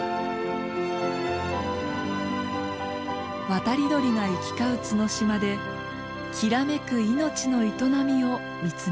渡り鳥が行き交う角島できらめく命の営みを見つめます。